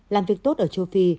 làm việc tốt ở châu phi